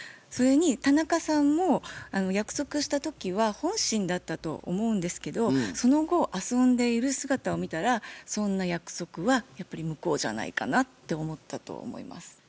それに田中さんも約束した時は本心だったと思うんですけどその後遊んでいる姿を見たらそんな約束はやっぱり無効じゃないかなって思ったと思います。